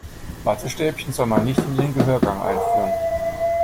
Wattestäbchen soll man nicht in den Gehörgang einführen.